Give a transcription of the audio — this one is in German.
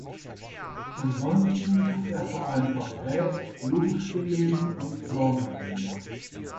Ansonsten schuf er vor allem Porträts, Blumen-Stillleben und Genrebilder.